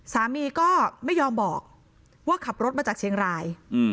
สามีก็ไม่ยอมบอกว่าขับรถมาจากเชียงราย